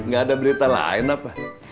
nggak ada berita lain apa